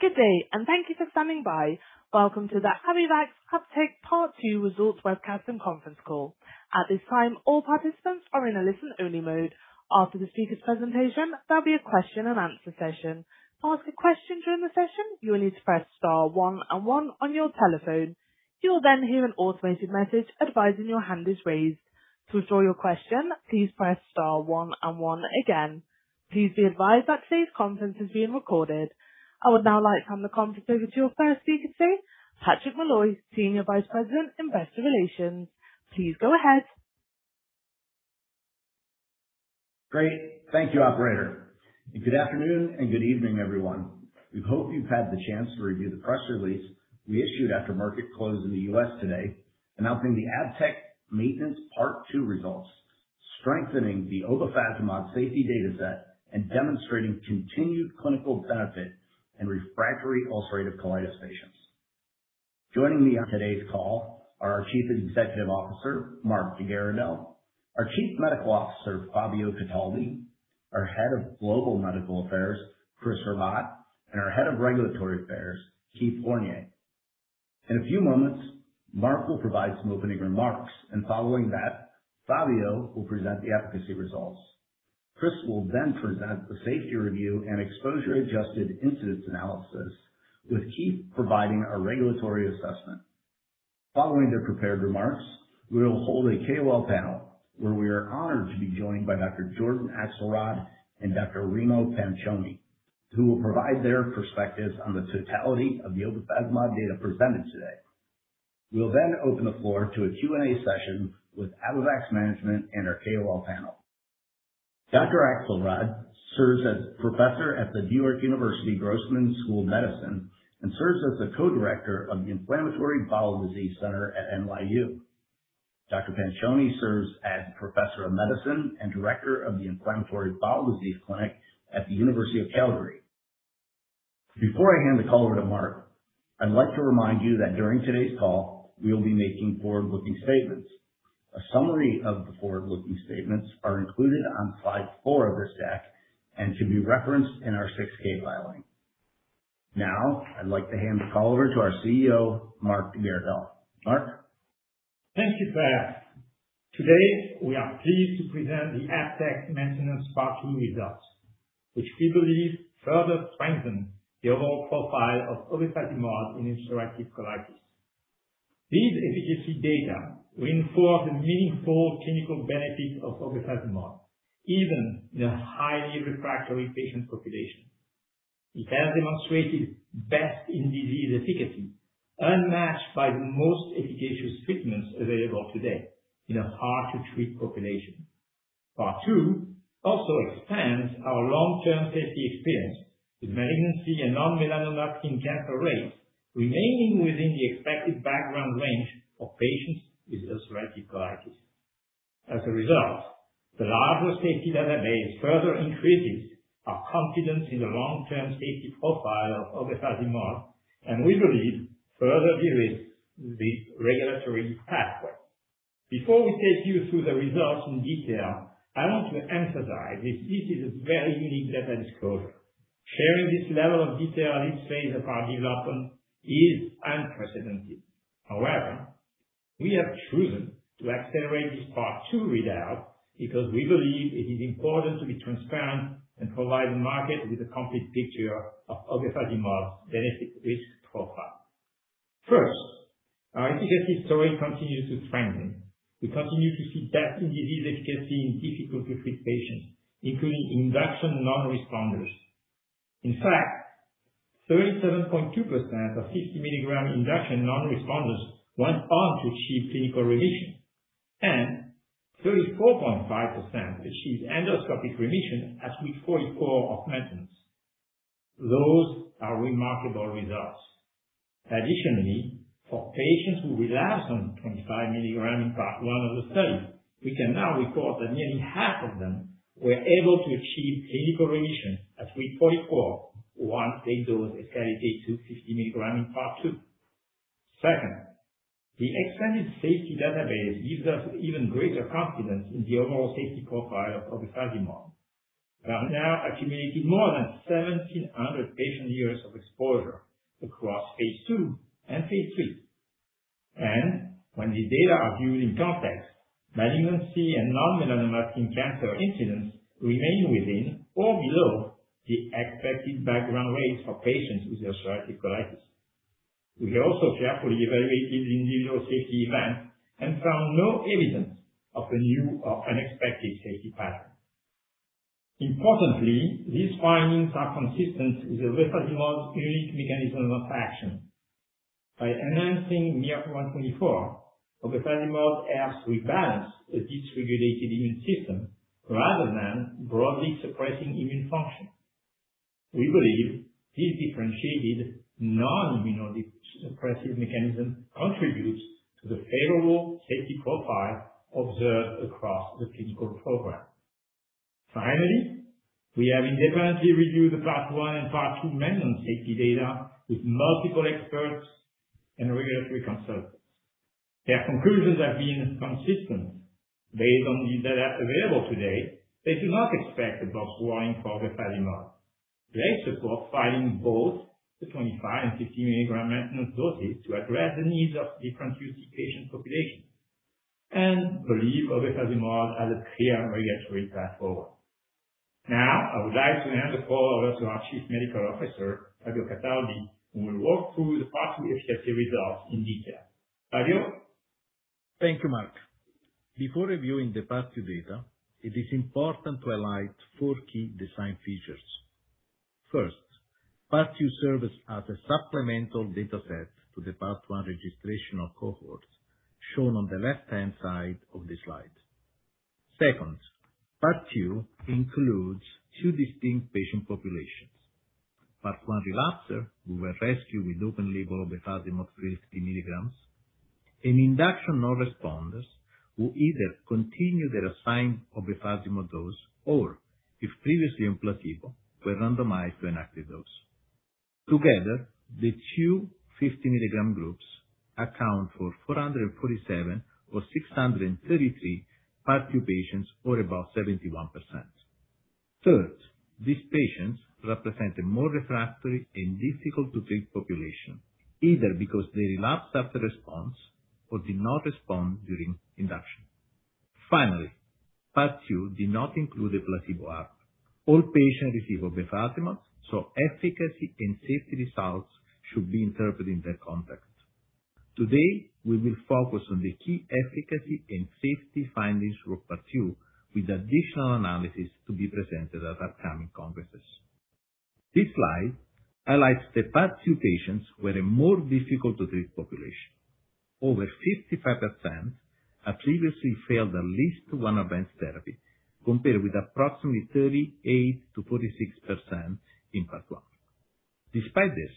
Good day, and thank you for standing by. Welcome to the Abivax ABTECT Part 2 Results Webcast and Conference Call. At this time, all participants are in a listen-only mode. After the speaker's presentation, there'll be a question and answer session. To ask a question during the session, you will need to press star one and one on your telephone. You will then hear an automated message advising your hand is raised. To withdraw your question, please press star one and one again. Please be advised that today's conference is being recorded. I would now like to hand the conference over to your first speaker today, Patrick Malloy, Senior Vice President, Investor Relations. Please go ahead. Great. Thank you, Operator. Good afternoon, and good evening, everyone. We hope you've had the chance to review the press release we issued after market close in the U.S. today, announcing the ABTECT Maintenance Part 2 results, strengthening the obefazimod safety data set, and demonstrating continued clinical benefit in refractory ulcerative colitis patients. Joining me on today's call are our Chief Executive Officer, Marc de Garidel, our Chief Medical Officer, Fabio Cataldi, our Head of Global Medical Affairs, Chris Rabbat, and our Head of Regulatory Affairs, Keith Fournier. In a few moments, Marc will provide some opening remarks, and following that, Fabio will present the efficacy results. Chris will then present the safety review and exposure-adjusted incidence analysis, with Keith providing a regulatory assessment. Following their prepared remarks, we will hold a KOL panel where we are honored to be joined by Dr. Jordan Axelrad and Dr. Remo Panaccione, who will provide their perspectives on the totality of the obefazimod data presented today. We will then open the floor to a Q&A session with Abivax management and our KOL panel. Dr. Axelrad serves as Professor at the New York University Grossman School of Medicine and serves as the Co-Director of the Inflammatory Bowel Disease Center at NYU. Dr. Panaccione serves as Professor of Medicine and Director of the Inflammatory Bowel Disease Clinic at the University of Calgary. Before I hand the call over to Marc, I'd like to remind you that during today's call, we will be making forward-looking statements. A summary of the forward-looking statements are included on slide four of this deck and can be referenced in our 6-K filing. I'd like to hand the call over to our CEO, Marc de Garidel. Marc? Thank you, Pat. Today, we are pleased to present the ABTECT Maintenance Part 2 results, which we believe further strengthen the overall profile of obefazimod in ulcerative colitis. These efficacy data reinforce the meaningful clinical benefits of obefazimod, even in a highly refractory patient population. It has demonstrated best-in-disease efficacy, unmatched by the most efficacious treatments available today in a hard-to-treat population. Part 2 also expands our long-term safety experience with malignancy and non-melanoma skin cancer rates remaining within the expected background range for patients with ulcerative colitis. As a result, the larger safety database further increases our confidence in the long-term safety profile of obefazimod, and we believe further de-risks the regulatory pathway. Before we take you through the results in detail, I want to emphasize that this is a very unique data disclosure. Sharing this level of detail at each phase of our development is unprecedented. We have chosen to accelerate this Part 2 readout because we believe it is important to be transparent and provide the market with a complete picture of obefazimod's benefit-risk profile. First, our efficacy story continues to strengthen. We continue to see best-in-disease efficacy in difficult-to-treat patients, including induction non-responders. In fact, 37.2% of 60 mg induction non-responders went on to achieve clinical remission, and 34.5% achieved endoscopic remission at week 44 of maintenance. Those are remarkable results. Additionally, for patients who relapsed on 25 mg in Part 1 of the study, we can now report that nearly half of them were able to achieve clinical remission at week 44 once they dosed escalated to 50 mg in Part 2. Second, the extended safety database gives us even greater confidence in the overall safety profile of obefazimod. We are now accumulating more than 1,700 patient years of exposure across phase II and phase III. When these data are viewed in context, malignancy and non-melanoma skin cancer incidence remain within or below the expected background rates for patients with ulcerative colitis. We have also carefully evaluated individual safety events and found no evidence of a new or unexpected safety pattern. Importantly, these findings are consistent with obefazimod's unique mechanism of action. By enhancing miR-124, obefazimod helps rebalance a dysregulated immune system rather than broadly suppressing immune function. We believe this differentiated non-immunosuppressive mechanism contributes to the favorable safety profile observed across the clinical program. Finally, we have independently reviewed the Part 1 and Part 2 maintenance safety data with multiple experts and regulatory consultants. Their conclusions have been consistent. Based on the data available today, they do not expect a box warning for obefazimod. They support filing both the 25 mg and 50 mg maintenance doses to address the needs of different UC patient populations, and believe obefazimod has a clear regulatory path forward. I would like to hand the call over to our Chief Medical Officer, Fabio Cataldi, who will walk through the Part 2 efficacy results in detail. Fabio? Thank you, Marc. Before reviewing the Part 2 data, it is important to highlight four key design features. First, Part 2 serves as a supplemental data set to the Part 1 registration of cohorts, shown on the left-hand side of the slide. Second, Part 2 includes two distinct patient populations. Part 1 relapser, who were rescued with open-label obefazimod 50 mg, and induction non-responders, who either continued their assigned obefazimod dose, or if previously on placebo, were randomized to an active dose. Together, the two 50 mg groups account for 447 or 633 Part 2 patients, or about 71%. Third, these patients represent a more refractory and difficult to treat population, either because they relapsed after response or did not respond during induction. Finally, Part 2 did not include a placebo arm. All patients received obefazimod, so efficacy and safety results should be interpreted in that context. Today, we will focus on the key efficacy and safety findings for Part 2, with additional analysis to be presented at upcoming conferences. This slide highlights that Part 2 patients were a more difficult to treat population. Over 55% had previously failed at least one advanced therapy, compared with approximately 38%-46% in Part 1. Despite this,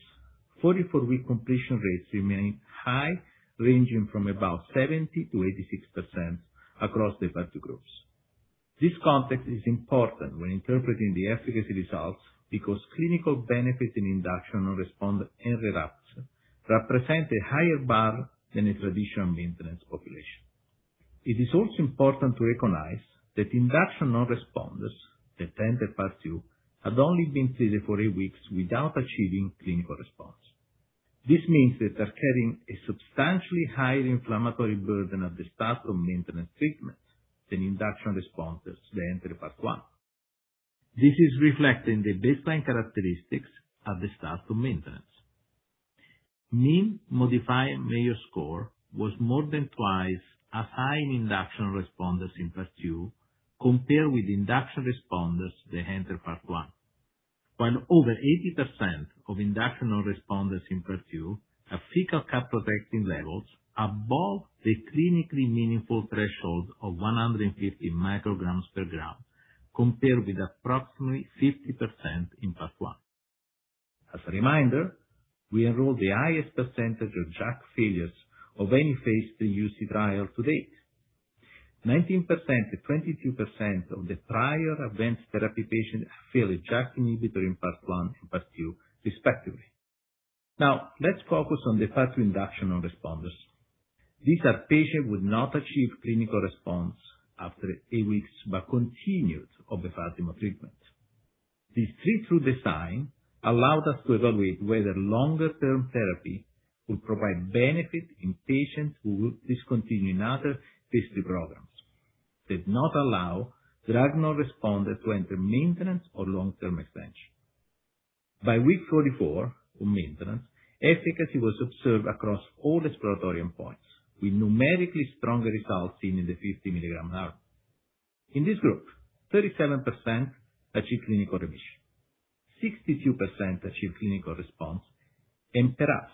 44-week completion rates remain high, ranging from about 70%-86% across the Part 2 groups. This context is important when interpreting the efficacy results because clinical benefit in induction non-responder and relapser represent a higher bar than a traditional maintenance population. It is also important to recognize that induction non-responders that entered Part 2 had only been treated for eight weeks without achieving clinical response. This means they are carrying a substantially higher inflammatory burden at the start of maintenance treatment than induction responders that entered Part 1. This is reflected in the baseline characteristics at the start of maintenance. Mean modified Mayo score was more than twice as high in induction responders in Part 2 compared with induction responders that entered Part 1. While over 80% of induction responders in Part 2 have fecal calprotectin levels above the clinically meaningful threshold of 150 mcg/g, compared with approximately 50% in Part 1. As a reminder, we enrolled the highest percentage of JAK failures of any phase III UC trial to date. 19%-22% of the prior advanced therapy patients failed a JAK inhibitor in Part 1 and Part 2, respectively. Now, let's focus on the Part 2 induction of responders. These are patients who had not achieved clinical response after eight weeks, but continued obefazimod treatment. This see-through design allowed us to evaluate whether longer-term therapy would provide benefit in patients who would discontinue in other phase III programs. It did not allow drug non-responders to enter maintenance or long-term expansion. By week 44 on maintenance, efficacy was observed across all exploratory endpoints, with numerically stronger results seen in the 50 mg arm. In this group, 37% achieved clinical remission, 62% achieved clinical response, and perhaps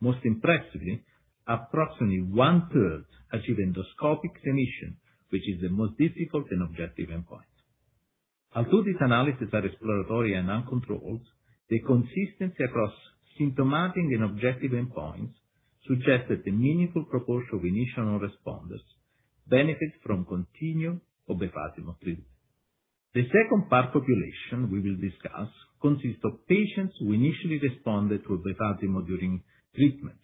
most impressively, approximately 1/3 achieved endoscopic remission, which is the most difficult and objective endpoint. Although these analyses are exploratory and uncontrolled, the consistency across symptomatic and objective endpoints suggest that a meaningful proportion of initial non-responders benefit from continued obefazimod treatment. The second population we will discuss consists of patients who initially responded to obefazimod during treatment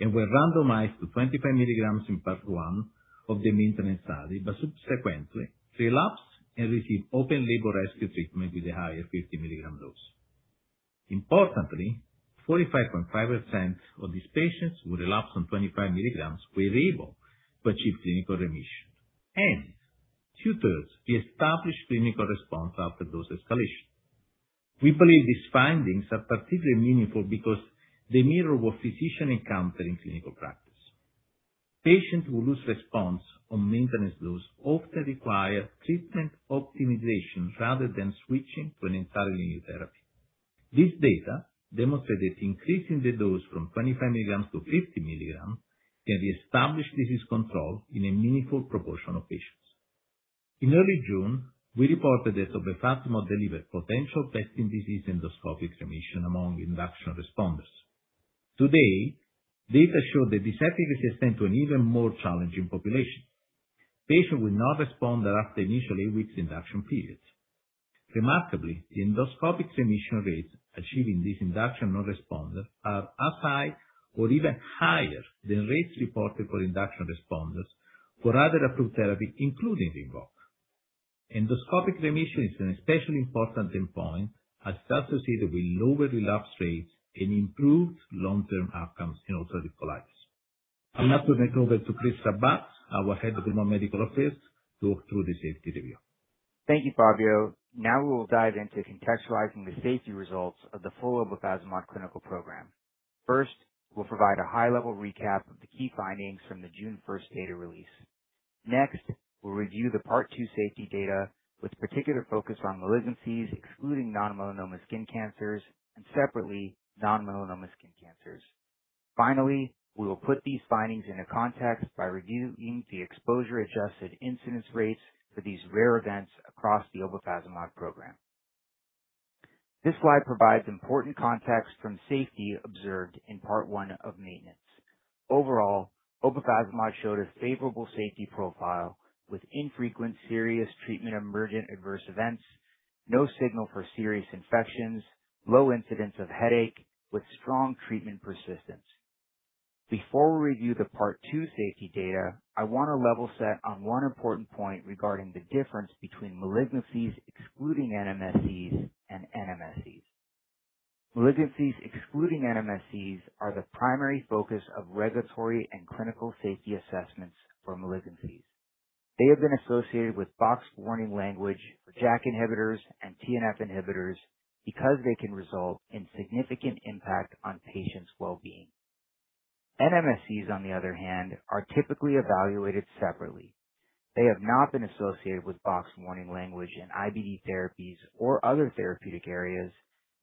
and were randomized to 25 mg in Part 1 of the maintenance study, but subsequently relapsed and received open-label rescue treatment with a higher 50 mg dose. Importantly, 45.5% of these patients who relapsed on 25 mg were able to achieve clinical remission, and 2/3 reestablished clinical response after dose escalation. We believe these findings are particularly meaningful because they mirror what physicians encounter in clinical practice. Patients who lose response on maintenance dose often require treatment optimization rather than switching to an entirely new therapy. This data demonstrated increasing the dose from 25 mg-50 mg can reestablish disease control in a meaningful proportion of patients. In early June, we reported that obefazimod delivered potential lasting disease endoscopic remission among induction responders. Data show that this efficacy extends to an even more challenging population Patient will not respond after initially weeks induction period. Remarkably, the endoscopic remission rates achieving this induction non-responder are as high or even higher than rates reported for induction responders for other approved therapy, including Rinvoq. Endoscopic remission is an especially important endpoint, associated with lower relapse rates and improved long-term outcomes in ulcerative colitis. I'll now turn it over to Chris Rabbat, our Head of Global Medical Affairs, to walk through the safety review. Thank you, Fabio. We will dive into contextualizing the safety results of the full obefazimod clinical program. First, we'll provide a high-level recap of the key findings from the June 1st data release. Next, we'll review the Part 2 safety data with particular focus on malignancies, excluding non-melanoma skin cancers and separately, non-melanoma skin cancers. Finally, we will put these findings into context by reviewing the exposure-adjusted incidence rates for these rare events across the obefazimod program. This slide provides important context from safety observed in Part 1 of maintenance. Overall, obefazimod showed a favorable safety profile with infrequent serious treatment emergent adverse events, no signal for serious infections, low incidence of headache, with strong treatment persistence. Before we review the Part 2 safety data, I want to level set on one important point regarding the difference between malignancies excluding NMSCs and NMSCs. Malignancies excluding NMSCs are the primary focus of regulatory and clinical safety assessments for malignancies. They have been associated with box warning language for JAK inhibitors and TNF inhibitors because they can result in significant impact on patients' well-being. NMSCs, on the other hand, are typically evaluated separately. They have not been associated with box warning language in IBD therapies or other therapeutic area.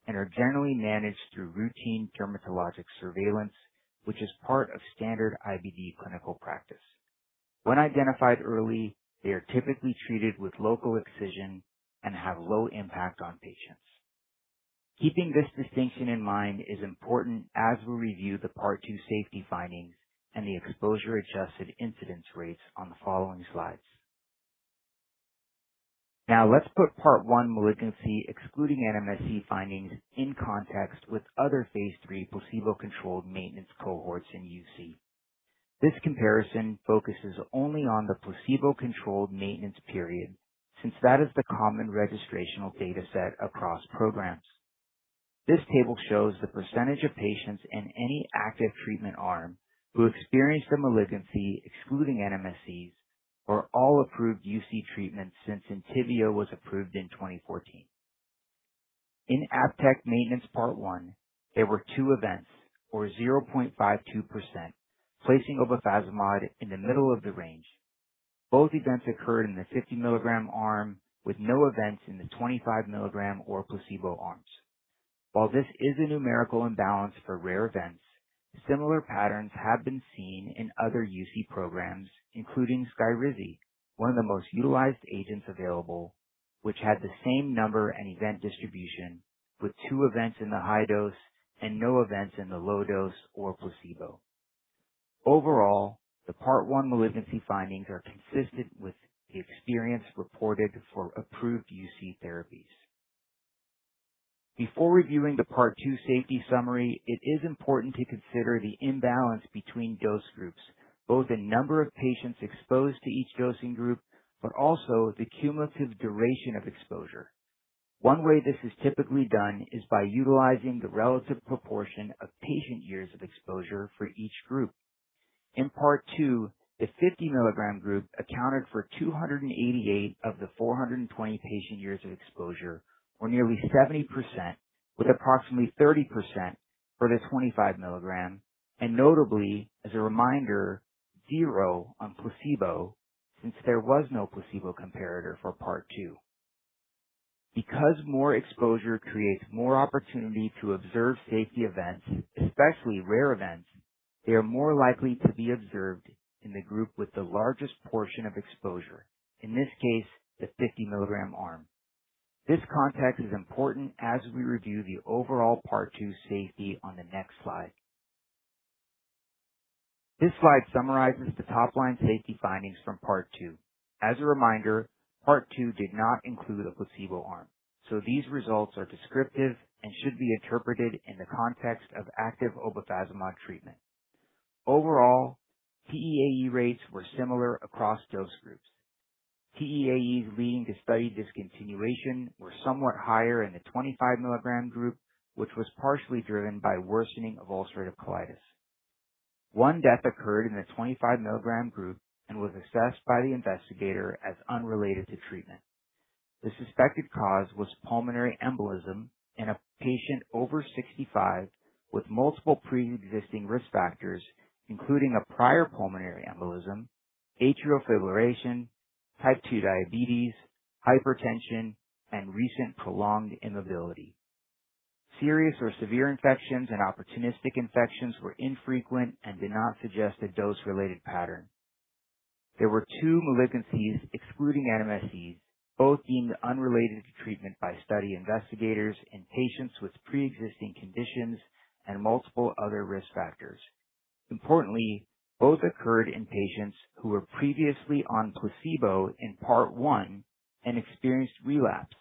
And are generally managed through routine dermatologic surveillance, which is part of standard IBD clinical practice. When identified early, they are typically treated with local excision and have low impact on patients. Keeping this distinction in mind is important as we review the Part 2 safety findings and the exposure-adjusted incidence rates on the following slides. Let's put Part 1 malignancy excluding NMSC findings in context with other phase III placebo-controlled maintenance cohorts in UC. This comparison focuses only on the placebo-controlled maintenance period, since that is the common registrational data set across programs. This table shows the percentage of patients in any active treatment arm who experienced a malignancy excluding NMSCs for all approved UC treatments since Entyvio was approved in 2014. In ABTECT maintenance Part 1, there were two events, or 0.52%, placing obefazimod in the middle of the range. Both events occurred in the 50 mg arm with no events in the 25 mg or placebo arms. While this is a numerical imbalance for rare events, similar patterns have been seen in other UC programs, including Skyrizi, one of the most utilized agents available, which had the same number and event distribution with two events in the high-dose and no events in the low-dose or placebo. Overall, the Part 1 malignancy findings are consistent with the experience reported for approved UC therapies. Before reviewing the Part 2 safety summary, it is important to consider the imbalance between dose groups, both the number of patients exposed to each dosing group, but also the cumulative duration of exposure. One way this is typically done is by utilizing the relative proportion of patient years of exposure for each group. In Part 2, the 50 mg group accounted for 288 of the 420 patient years of exposure, or nearly 70%, with approximately 30% for the 25 mg, and notably, as a reminder, zero on placebo, since there was no placebo comparator for Part 2. Because more exposure creates more opportunity to observe safety events, especially rare events, they are more likely to be observed in the group with the largest portion of exposure, in this case, the 50 mg arm. This context is important as we review the overall Part 2 safety on the next slide. This slide summarizes the top-line safety findings from Part 2. As a reminder, Part 2 did not include a placebo arm, so these results are descriptive and should be interpreted in the context of active obefazimod treatment. Overall, TEAE rates were similar across dose groups. TEAEs leading to study discontinuation were somewhat higher in the 25 mg group, which was partially driven by worsening of ulcerative colitis. One death occurred in the 25 mg group and was assessed by the investigator as unrelated to treatment. The suspected cause was pulmonary embolism in a patient over 65 with multiple preexisting risk factors, including a prior pulmonary embolism, atrial fibrillation, type 2 diabetes, hypertension, and recent prolonged immobility. Serious or severe infections and opportunistic infections were infrequent and did not suggest a dose-related pattern. There were two malignancies excluding NMSCs. Both deemed unrelated to treatment by study investigators in patients with preexisting conditions and multiple other risk factors. Importantly, both occurred in patients who were previously on placebo in Part 1 and experienced relapse.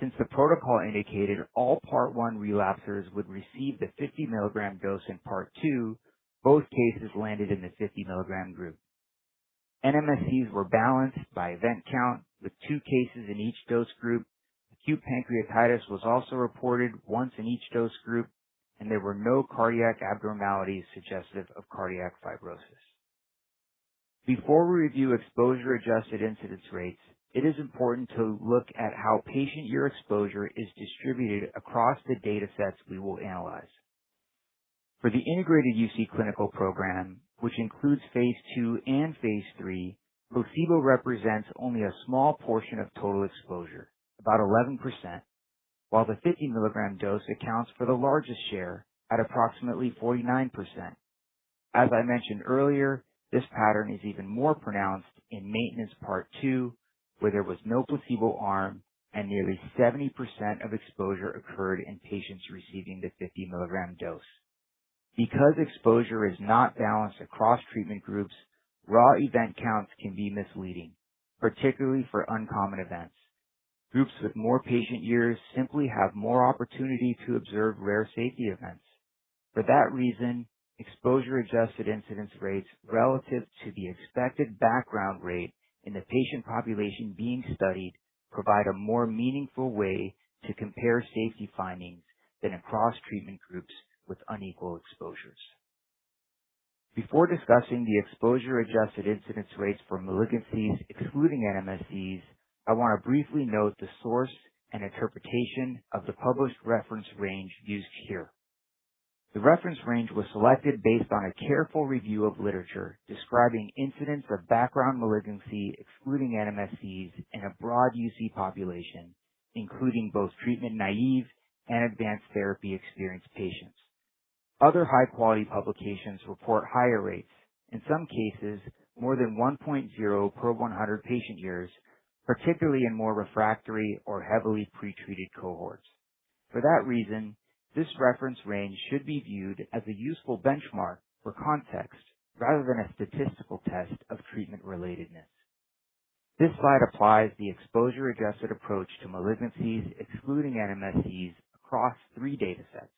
Since the protocol indicated all Part 1 relapsers would receive the 50 mg dose in Part 2, both cases landed in the 50 mg group. NMSCs were balanced by event count, with two cases in each dose group. Acute pancreatitis was also reported once in each dose group, and there were no cardiac abnormalities suggestive of cardiac fibrosis. Before we review exposure-adjusted incidence rates, it is important to look at how patient year exposure is distributed across the data sets we will analyze. For the integrated UC clinical program, which includes phase II and phase III, placebo represents only a small portion of total exposure, about 11%, while the 50 mg dose accounts for the largest share at approximately 49%. As I mentioned earlier, this pattern is even more pronounced in maintenance Part 2, where there was no placebo arm and nearly 70% of exposure occurred in patients receiving the 50 mg dose. Because exposure is not balanced across treatment groups, raw event counts can be misleading, particularly for uncommon events. Groups with more patient years simply have more opportunity to observe rare safety events. For that reason, exposure-adjusted incidence rates relative to the expected background rate in the patient population being studied provide a more meaningful way to compare safety findings than across treatment groups with unequal exposures. Before discussing the exposure-adjusted incidence rates for malignancies excluding NMSCs, I want to briefly note the source and interpretation of the published reference range used here. The reference range was selected based on a careful review of literature describing incidence of background malignancy excluding NMSCs in a broad UC population, including both treatment-naïve and advanced therapy-experienced patients. Other high-quality publications report higher rates, in some cases, more than 1.0 per 100 patient years, particularly in more refractory or heavily pretreated cohorts. For that reason, this reference range should be viewed as a useful benchmark for context rather than a statistical test of treatment relatedness. This slide applies the exposure-adjusted approach to malignancies excluding NMSCs across three data sets,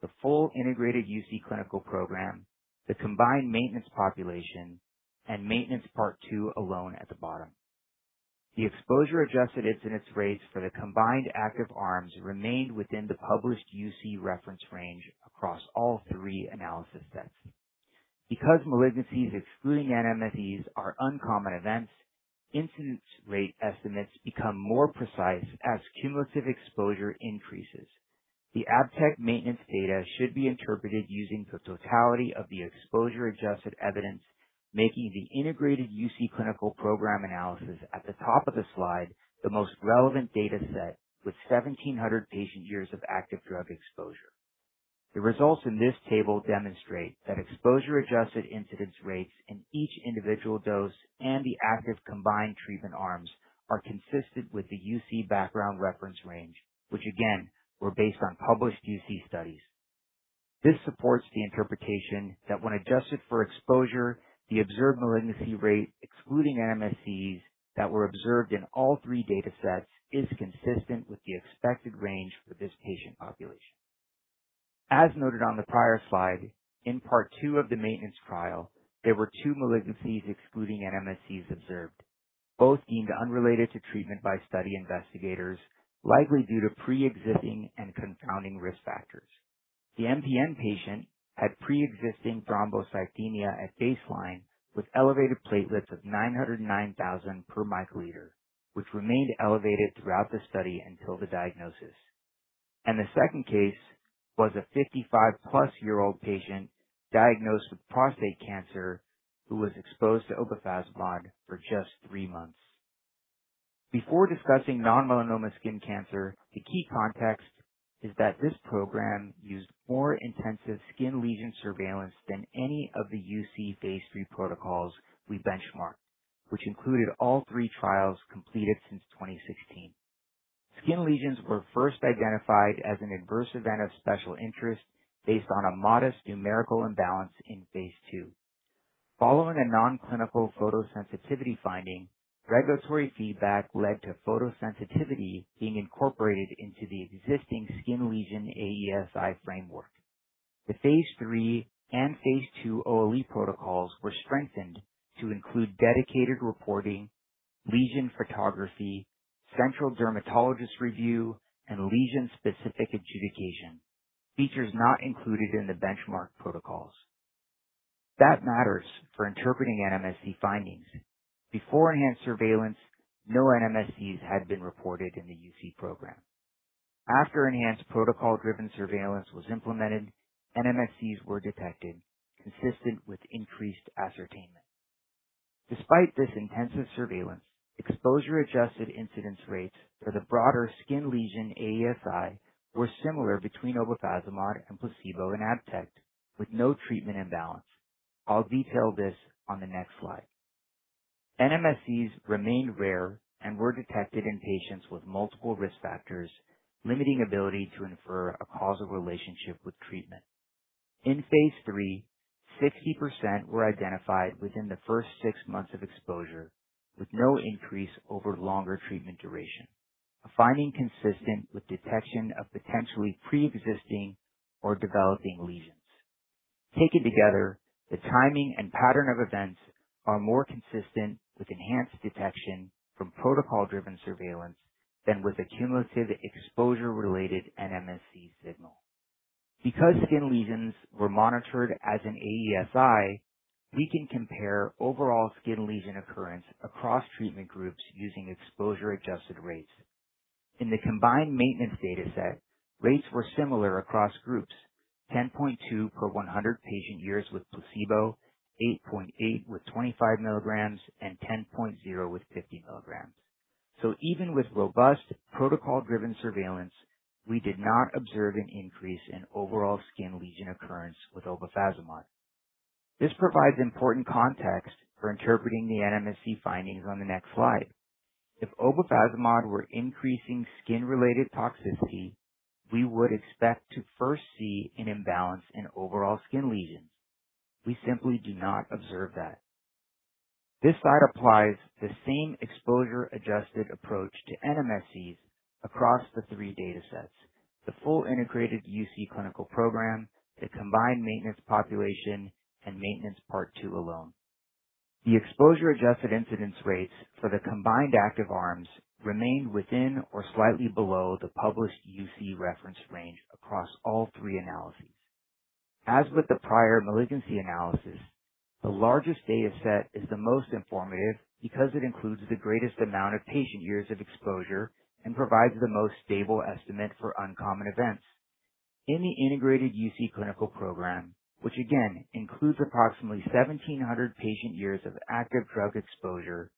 the full integrated UC clinical program, the combined maintenance population, and maintenance Part 2 alone at the bottom. The exposure-adjusted incidence rates for the combined active arms remained within the published UC reference range across all three analysis sets. Because malignancies excluding NMSCs are uncommon events, incidence rate estimates become more precise as cumulative exposure increases. The ABTECT maintenance data should be interpreted using the totality of the exposure-adjusted evidence, making the integrated UC clinical program analysis at the top of the slide the most relevant data set with 1,700 patient years of active drug exposure. The results in this table demonstrate that exposure-adjusted incidence rates in each individual dose and the active combined treatment arms are consistent with the UC background reference range, which again, were based on published UC studies. This supports the interpretation that when adjusted for exposure, the observed malignancy rate excluding NMSCs that were observed in all three data sets is consistent with the expected range for this patient population. As noted on the prior slide, in Part 2 of the maintenance trial, there were two malignancies excluding NMSCs observed, both deemed unrelated to treatment by study investigators, likely due to preexisting and confounding risk factors. The MPN patient had preexisting thrombocythemia at baseline with elevated platelets of 909,000/uL, which remained elevated throughout the study until the diagnosis. The second case was a 55+ year-old patient diagnosed with prostate cancer who was exposed to obefazimod for just three months. Before discussing non-melanoma skin cancer, the key context is that this program used more intensive skin lesion surveillance than any of the UC phase III protocols we benchmarked, which included all three trials completed since 2016. Skin lesions were first identified as an adverse event of special interest based on a modest numerical imbalance in phase II. Following a non-clinical photosensitivity finding, regulatory feedback led to photosensitivity being incorporated into the existing skin lesion AESI framework. The phase III and phase II OLE protocols were strengthened to include dedicated reporting, lesion photography, central dermatologist review, and lesion-specific adjudication, features not included in the benchmark protocols. That matters for interpreting NMSC findings. Before enhanced surveillance, no NMSCs had been reported in the UC program. After enhanced protocol-driven surveillance was implemented, NMSCs were detected, consistent with increased ascertainment. Despite this intensive surveillance, exposure-adjusted incidence rates for the broader skin lesion AESI were similar between obefazimod and placebo in ABTECT, with no treatment imbalance. I'll detail this on the next slide. NMSCs remained rare and were detected in patients with multiple risk factors, limiting ability to infer a causal relationship with treatment. In phase III, 60% were identified within the first six months of exposure, with no increase over longer treatment duration, a finding consistent with detection of potentially preexisting or developing lesions. Taken together, the timing and pattern of events are more consistent with enhanced detection from protocol-driven surveillance than with a cumulative exposure-related NMSC signal. Because skin lesions were monitored as an AESI, we can compare overall skin lesion occurrence across treatment groups using exposure-adjusted rates. In the combined maintenance data set, rates were similar across groups, 10.2 per 100 patient years with placebo, 8.8 with 25 mg, and 10.0 with 50 mg. Even with robust protocol-driven surveillance, we did not observe an increase in overall skin lesion occurrence with obefazimod. This provides important context for interpreting the NMSC findings on the next slide. If obefazimod were increasing skin-related toxicity, we would expect to first see an imbalance in overall skin lesions. We simply do not observe that. This slide applies the same exposure-adjusted approach to NMSCs across the three data sets, the full integrated UC clinical program, the combined maintenance population, and maintenance Part 2 alone. The exposure-adjusted incidence rates for the combined active arms remained within or slightly below the published UC reference range across all three analyses. As with the prior malignancy analysis, the largest data set is the most informative because it includes the greatest amount of patient years of exposure and provides the most stable estimate for uncommon events. In the integrated UC clinical program, which again includes approximately 1,700 patient years of active drug exposure,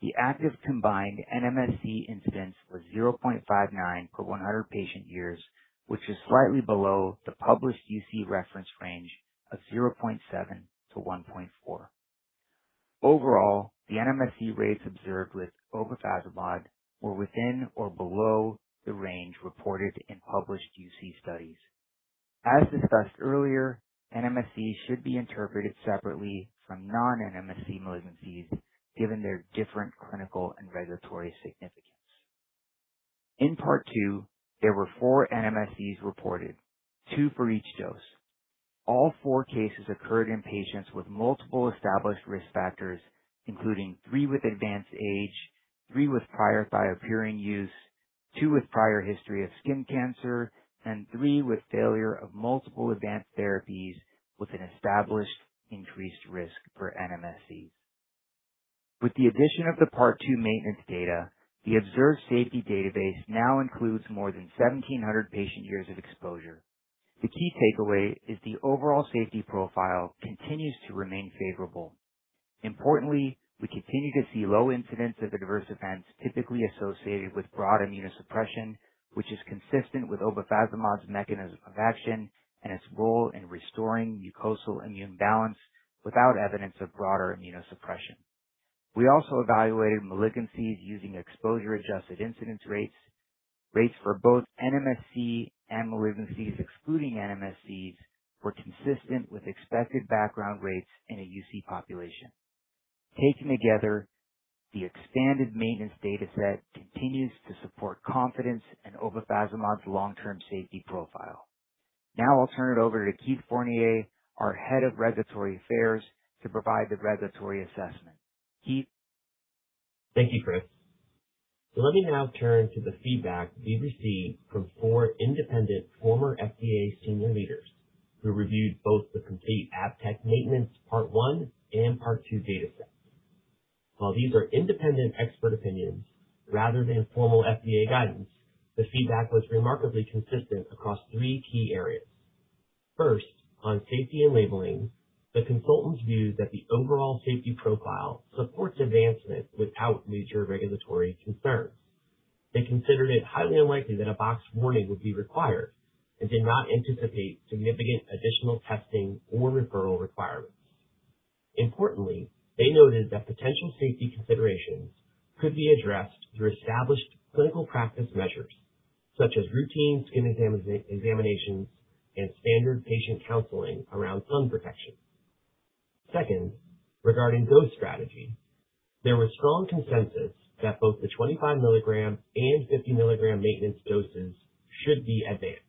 the active combined NMSC incidence was 0.59 per 100 patient years, which is slightly below the published UC reference range of 0.7-1.4. Overall, the NMSC rates observed with obefazimod were within or below the range reported in published UC studies. As discussed earlier, NMSC should be interpreted separately from non-NMSC malignancies given their different clinical and regulatory significance. In Part 2, there were four NMSCs reported, two for each dose. All four cases occurred in patients with multiple established risk factors, including three with advanced age, three with prior thiopurine use, two with prior history of skin cancer, and three with failure of multiple advanced therapies with an established increased risk for NMSCs. With the addition of the Part 2 maintenance data, the observed safety database now includes more than 1,700 patient years of exposure. The key takeaway is the overall safety profile continues to remain favorable. Importantly, we continue to see low incidence of adverse events typically associated with broad immunosuppression, which is consistent with obefazimod's mechanism of action and its role in restoring mucosal immune balance without evidence of broader immunosuppression. We also evaluated malignancies using exposure-adjusted incidence rates. Rates for both NMSC and malignancies excluding NMSCs were consistent with expected background rates in a UC population. Taken together, the expanded maintenance data set continues to support confidence in obefazimod's long-term safety profile. I'll turn it over to Keith Fournier, our Head of Regulatory Affairs, to provide the regulatory assessment. Keith? Thank you, Chris. Let me now turn to the feedback we received from four independent former FDA senior leaders who reviewed both the complete ABTECT maintenance Part 1 and Part 2 data sets. While these are independent expert opinions rather than formal FDA guidance, the feedback was remarkably consistent across three key areas. First, on safety and labeling, the consultants viewed that the overall safety profile supports advancement without major regulatory concerns. They considered it highly unlikely that a box warning would be required and did not anticipate significant additional testing or referral requirements. Importantly, they noted that potential safety considerations could be addressed through established clinical practice measures such as routine skin examinations and standard patient counseling around sun protection. Second, regarding dose strategy, there was strong consensus that both the 25 mg and 50 mg maintenance doses should be advanced.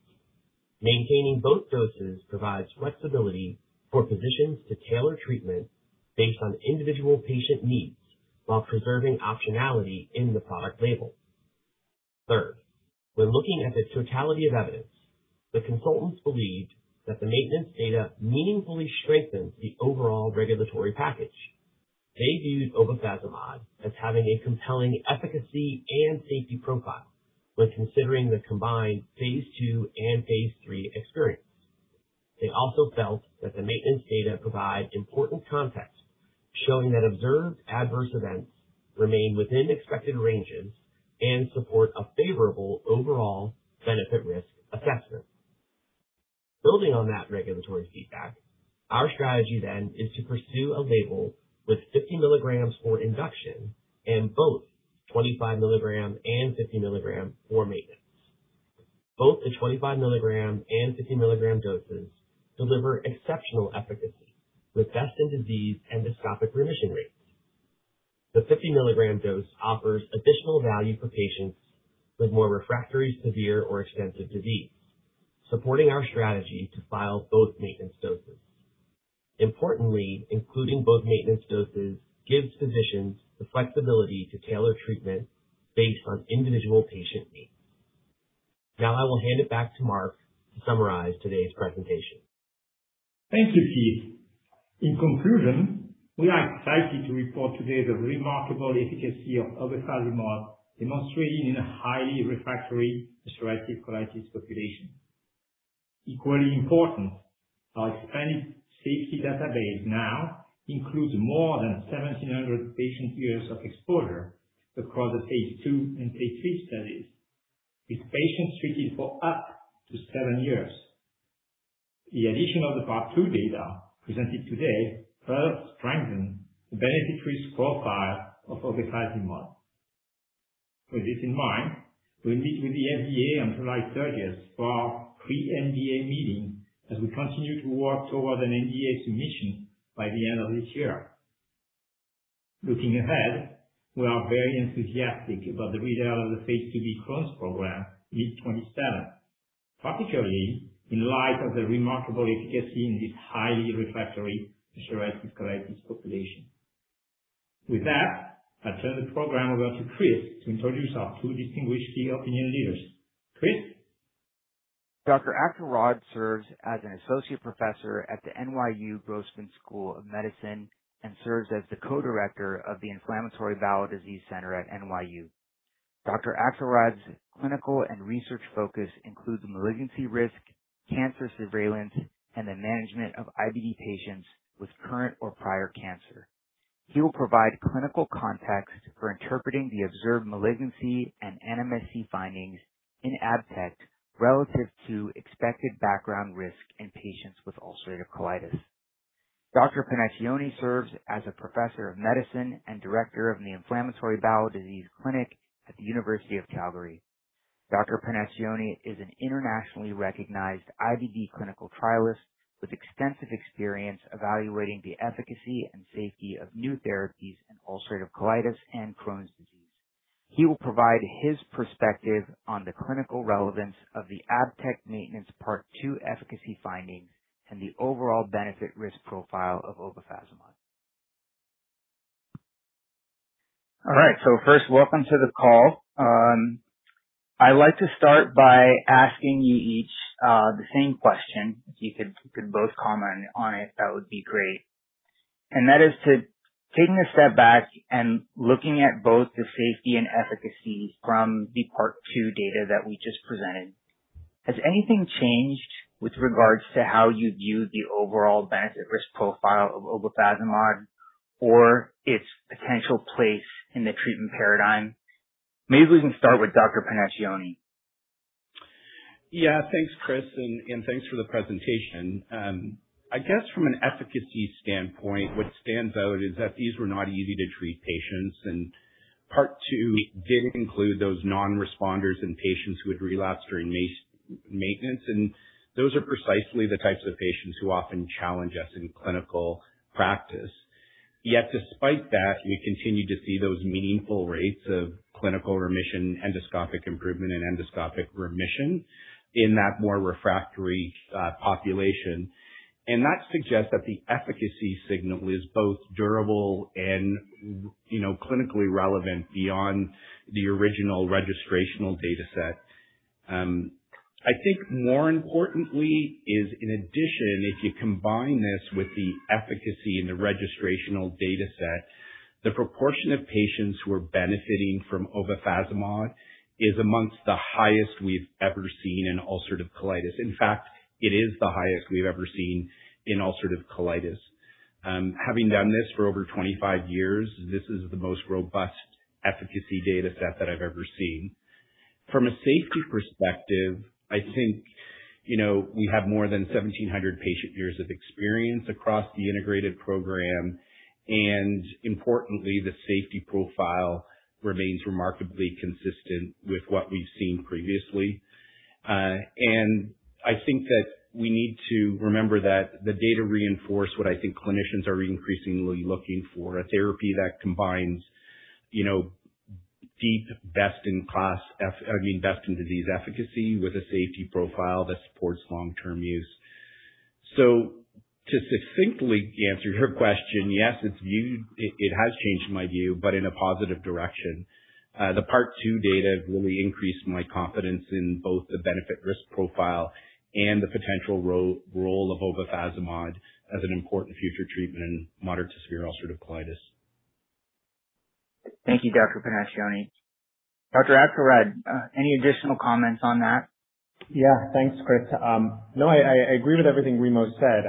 Maintaining both doses provides flexibility for physicians to tailor treatment based on individual patient needs while preserving optionality in the product label. Third, when looking at the totality of evidence, the consultants believed that the maintenance data meaningfully strengthens the overall regulatory package. They viewed obefazimod as having a compelling efficacy and safety profile when considering the combined phase II and phase III experience. They also felt that the maintenance data provide important context Showing that observed adverse events remain within expected ranges and support a favorable overall benefit-risk assessment. Building on that regulatory feedback, our strategy is to pursue a label with 50 mg for induction and both 25 mg and 50 mgs for maintenance. Both the 25 mg and 50 mg doses deliver exceptional efficacy with best-in-disease endoscopic remission rates. The 50 mg dose offers additional value for patients with more refractory, severe, or extensive disease, supporting our strategy to file both maintenance doses. Importantly, including both maintenance doses gives physicians the flexibility to tailor treatment based on individual patient needs. I will hand it back to Marc to summarize today's presentation. Thank you, Keith. In conclusion, we are excited to report today the remarkable efficacy of obefazimod, demonstrated in a highly refractory ulcerative colitis population. Equally important, our expanded safety database now includes more than 1,700 patient-years of exposure across the phase II and phase III studies, with patients treated for up to seven years. The addition of the Part 2 data presented today further strengthen the benefit-risk profile of obefazimod. With this in mind, we'll meet with the FDA on July 30th for our pre-NDA meeting as we continue to work toward an NDA submission by the end of this year. Looking ahead, we are very enthusiastic about the readout of the phase II-B Crohn's program in mid 2027. Particularly in light of the remarkable efficacy in this highly refractory ulcerative colitis population. With that, I turn the program over to Chris to introduce our two distinguished key opinion leaders. Chris? Dr. Axelrad serves as an Associate Professor at the NYU Grossman School of Medicine and serves as the Co-Director of the Inflammatory Bowel Disease Center at NYU. Dr. Axelrad's clinical and research focus includes malignancy risk, cancer surveillance, and the management of IBD patients with current or prior cancer. He will provide clinical context for interpreting the observed malignancy and NMSC findings in ABTECT relative to expected background risk in patients with ulcerative colitis. Dr. Panaccione serves as a Professor of Medicine and Director of the Inflammatory Bowel Disease Clinic at the University of Calgary. Dr. Panaccione is an internationally recognized IBD clinical trialist with extensive experience evaluating the efficacy and safety of new therapies in ulcerative colitis and Crohn's disease. He will provide his perspective on the clinical relevance of the ABTECT Maintenance Part 2 efficacy findings and the overall benefit-risk profile of obefazimod. All right, first, welcome to the call. I'd like to start by asking you each the same question. If you could both comment on it, that would be great. That is to, taking a step back and looking at both the safety and efficacy from the Part 2 data that we just presented, has anything changed with regards to how you view the overall benefit-risk profile of obefazimod. Or its potential place in the treatment paradigm? Maybe we can start with Dr. Panaccione. Yeah. Thanks, Chris, thanks for the presentation. I guess from an efficacy standpoint, what stands out is that these were not easy-to-treat patients, Part 2 did include those non-responders in patients who had relapsed during maintenance. Those are precisely the types of patients who often challenge us in clinical practice. Despite that, we continue to see those meaningful rates of clinical remission, endoscopic improvement, and endoscopic remission in that more refractory population. That suggests that the efficacy signal is both durable and clinically relevant beyond the original registrational data set. I think more importantly is in addition, if you combine this with the efficacy in the registrational data set, the proportion of patients who are benefiting from obefazimod is amongst the highest we've ever seen in ulcerative colitis. In fact, it is the highest we've ever seen in ulcerative colitis. Having done this for over 25 years, this is the most robust efficacy data set that I've ever seen. From a safety perspective, I think, we have more than 1,700 patient-years of experience across the integrated program. Importantly, the safety profile remains remarkably consistent with what we've seen previously. I think that we need to remember that the data reinforce what I think clinicians are increasingly looking for. A therapy that combines deep best-in-class, I mean, best-in-disease efficacy with a safety profile that supports long-term use. To succinctly answer your question, yes, it has changed my view, but in a positive direction. The Part 2 data really increased my confidence in both the benefit-risk profile and the potential role of obefazimod as an important future treatment in moderate to severe ulcerative colitis. Thank you, Dr. Panaccione. Dr. Axelrad, any additional comments on that? Thanks, Chris. No, I agree with everything Remo said.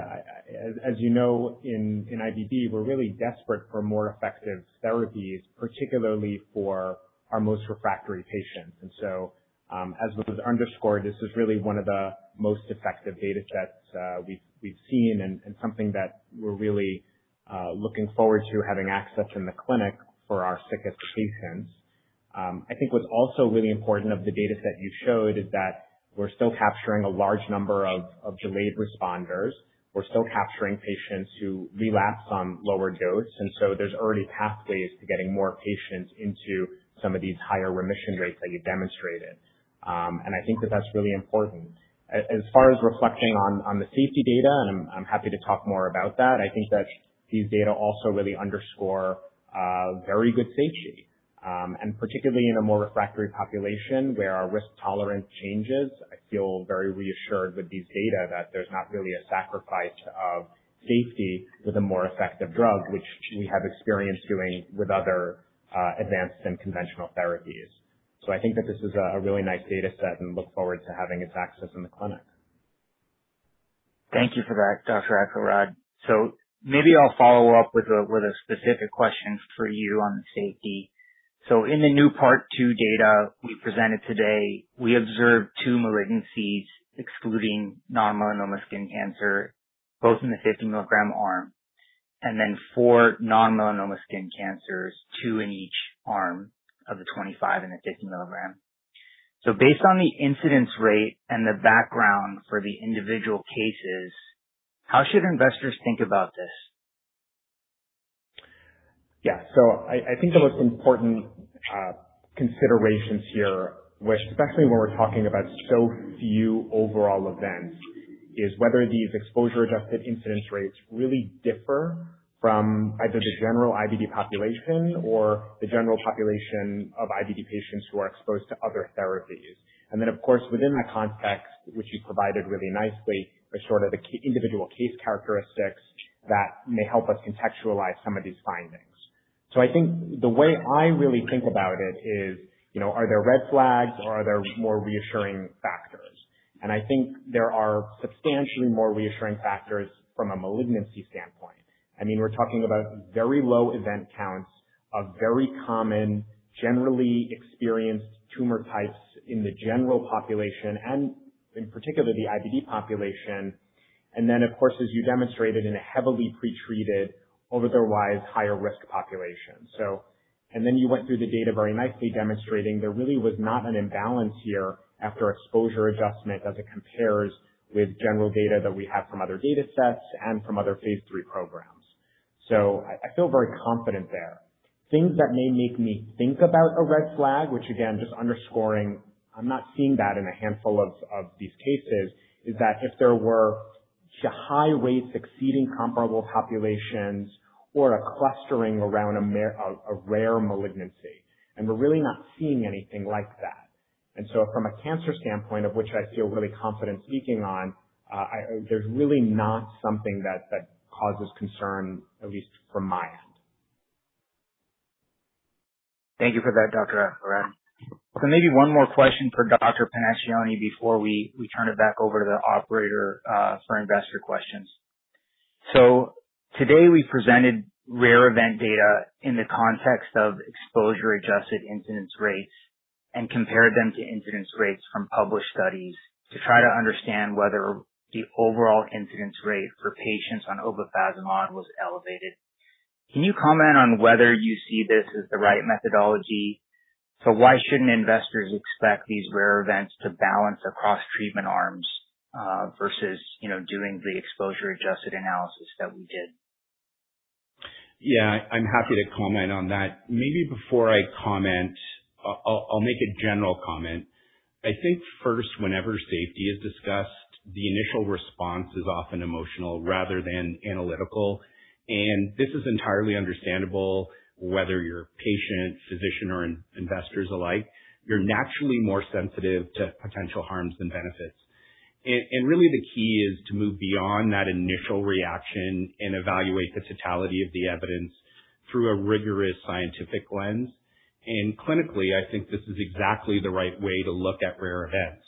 As you know, in IBD, we're really desperate for more effective therapies, particularly for our most refractory patients. As was underscored, this is really one of the most effective data sets we've seen and something that we're really looking forward to having access in the clinic for our sickest patients. I think what's also really important of the data set you showed is that we're still capturing a large number of delayed responders. We're still capturing patients who relapse on lower dose, there's already pathways to getting more patients into some of these higher remission rates that you demonstrated. I think that that's really important. As far as reflecting on the safety data, I'm happy to talk more about that, I think that these data also really underscore very good safety. Particularly in a more refractory population where our risk tolerance changes, I feel very reassured with these data that there's not really a sacrifice of safety with a more effective drug, which we have experience doing with other advanced and conventional therapies. I think that this is a really nice data set and look forward to having its access in the clinic. Thank you for that, Dr. Axelrad. Maybe I'll follow up with a specific question for you on safety. In the new Part 2 data we presented today, we observed two malignancies, excluding non-melanoma skin cancer, both in the 50 mg arm, and then four non-melanoma skin cancers, two in each arm of the 25 mg and the 50 mg. Based on the incidence rate and the background for the individual cases, how should investors think about this? Yeah. I think the most important considerations here, especially when we're talking about so few overall events, is whether these exposure-adjusted incidence rates really differ from either the general IBD population or the general population of IBD patients who are exposed to other therapies. Of course, within that context, which you provided really nicely, are sort of the individual case characteristics that may help us contextualize some of these findings. I think the way I really think about it is, are there red flags or are there more reassuring factors? I think there are substantially more reassuring factors from a malignancy standpoint. I mean, we're talking about very low event counts of very common, generally experienced tumor types in the general population and in particular, the IBD population. Of course, as you demonstrated in a heavily pretreated, otherwise higher-risk population. You went through the data very nicely demonstrating there really was not an imbalance here after exposure adjustment as it compares with general data that we have from other data sets and from other phase III programs. I feel very confident there. Things that may make me think about a red flag, which again, just underscoring, I'm not seeing that in a handful of these cases, is that if there were high rates exceeding comparable populations or a clustering around a rare malignancy, we're really not seeing anything like that. From a cancer standpoint, of which I feel really confident speaking on, there's really not something that causes concern, at least from my end. Thank you for that, Dr. Axelrad. Maybe one more question for Dr. Panaccione before we turn it back over to the operator for investor questions. Today we presented rare event data in the context of exposure-adjusted incidence rates and compared them to incidence rates from published studies to try to understand whether the overall incidence rate for patients on obefazimod was elevated. Can you comment on whether you see this as the right methodology? Why shouldn't investors expect these rare events to balance across treatment arms versus doing the exposure-adjusted analysis that we did? Yeah, I'm happy to comment on that. Maybe before I comment, I'll make a general comment. I think first, whenever safety is discussed, the initial response is often emotional rather than analytical. This is entirely understandable, whether you're patient, physician, or investors alike. You're naturally more sensitive to potential harms than benefits. Really, the key is to move beyond that initial reaction and evaluate the totality of the evidence through a rigorous scientific lens. Clinically, I think this is exactly the right way to look at rare events.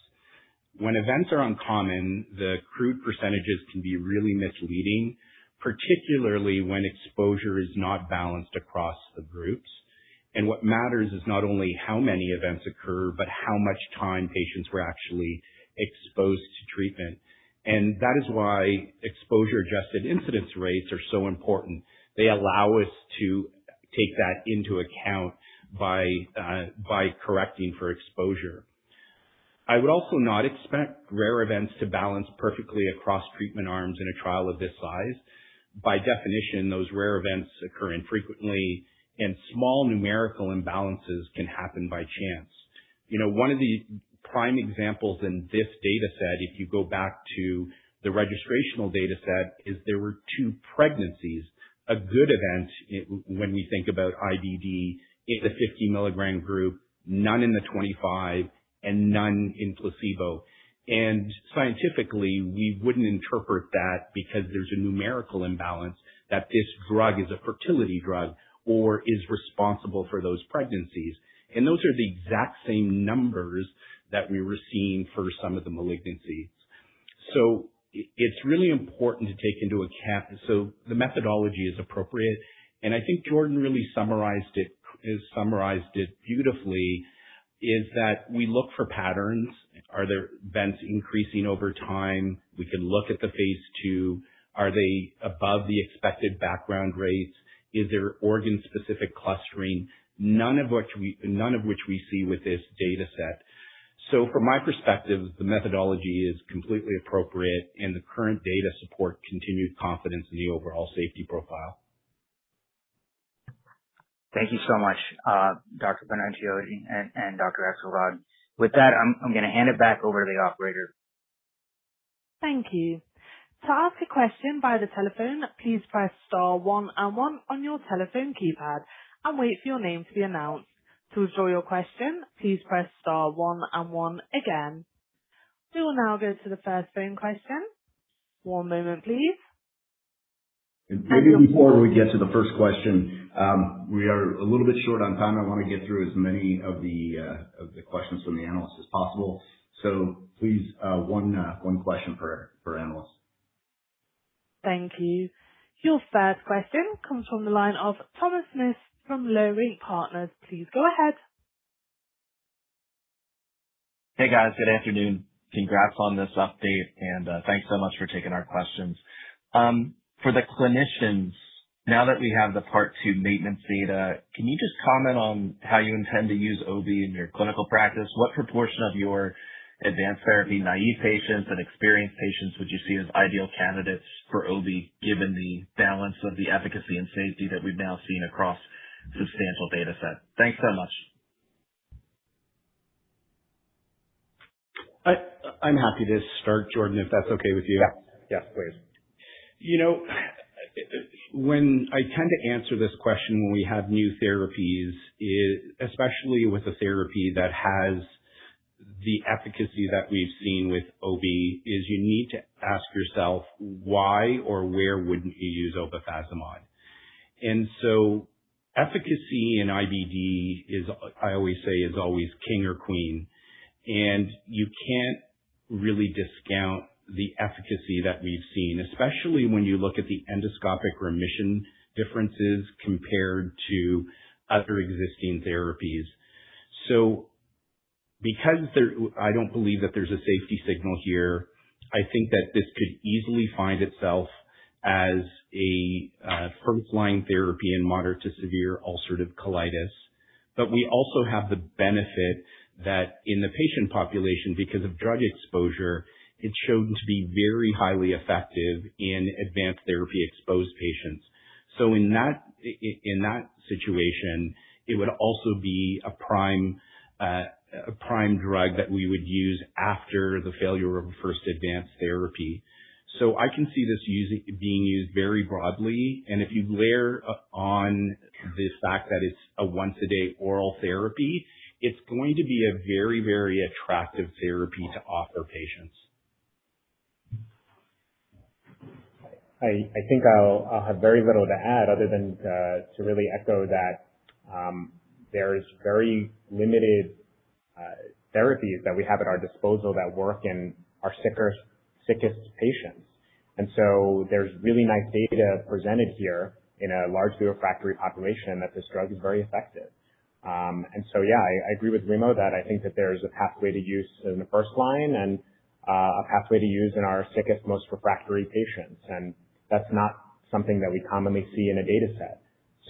When events are uncommon, the crude percentages can be really misleading, particularly when exposure is not balanced across the groups. What matters is not only how many events occur, but how much time patients were actually exposed to treatment. That is why exposure-adjusted incidence rates are so important. They allow us to take that into account by correcting for exposure. I would also not expect rare events to balance perfectly across treatment arms in a trial of this size. By definition, those rare events occur infrequently, and small numerical imbalances can happen by chance. One of the prime examples in this data set, if you go back to the registrational data set, is there were two pregnancies, a good event when we think about IBD in the 50 mg group, none in the 25 mg and none in placebo. Scientifically, we wouldn't interpret that because there's a numerical imbalance that this drug is a fertility drug or is responsible for those pregnancies. Those are the exact same numbers that we were seeing for some of the malignancies. It's really important to take into account, the methodology is appropriate, I think Jordan really summarized it beautifully, is that we look for patterns. Are there events increasing over time? We can look at the phase II. Are they above the expected background rates? Is there organ-specific clustering? None of which we see with this data set. From my perspective, the methodology is completely appropriate and the current data support continued confidence in the overall safety profile. Thank you so much, Dr. Panaccione and Dr. Axelrad. With that, I'm going to hand it back over to the Operator. Thank you. To ask a question by the telephone, please press star one and one on your telephone keypad and wait for your name to be announced. To withdraw your question, please press star one and one again. We will now go to the first phone question. One moment, please. Maybe before we get to the first question, we are a little bit short on time. I want to get through as many of the questions from the analysts as possible. Please, one question per analyst. Thank you. Your first question comes from the line of Thomas Smith from Leerink Partners. Please go ahead. Hey, guys. Good afternoon. Congrats on this update and thanks so much for taking our questions. For the clinicians, now that we have the Part two maintenance data, can you just comment on how you intend to use obefazimod in your clinical practice? What proportion of your advanced therapy naive patients and experienced patients would you see as ideal candidates for obefazimod? Given the balance of the efficacy and safety that we've now seen across substantial data set? Thanks so much. I'm happy to start, Jordan, if that's okay with you. Yeah. Please. When I tend to answer this question when we have new therapies, especially with a therapy that has the efficacy that we've seen with obefazimod, is you need to ask yourself why or where wouldn't you use obefazimod? Efficacy in IBD, I always say is always king or queen, and you can't really discount the efficacy that we've seen, especially when you look at the endoscopic remission differences compared to other existing therapies. Because I don't believe that there's a safety signal here, I think that this could easily find itself as a first-line therapy in moderate to severe ulcerative colitis. We also have the benefit that in the patient population, because of drug exposure, it's shown to be very highly effective in advanced therapy exposed patients. In that situation, it would also be a prime drug that we would use after the failure of a first advanced therapy. I can see this being used very broadly, and if you layer on the fact that it's a once-a-day oral therapy, it's going to be a very, very attractive therapy to offer patients. I think I'll have very little to add other than to really echo that there's very limited therapies that we have at our disposal that work in our sickest patients. There's really nice data presented here in a largely refractory population that this drug is very effective. Yeah, I agree with Remo that I think that there is a pathway to use in the first line and a pathway to use in our sickest, most refractory patients, and that's not something that we commonly see in a data set.